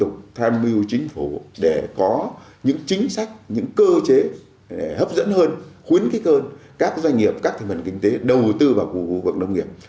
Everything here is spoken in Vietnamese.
các doanh nghiệp đầu tư vào khu vực nông nghiệp